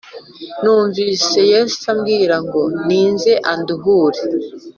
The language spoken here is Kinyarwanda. Numvise yesu ambwira ngo ninze anduhure